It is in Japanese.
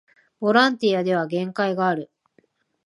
ボランティアでは限界がある